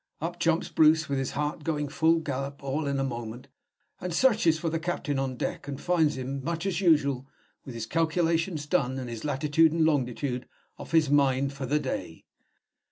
Up jumps Bruce, with his heart going full gallop all in a moment, and searches for the captain on deck, and finds him much as usual, with his calculations done, and his latitude and longitude off his mind for the day.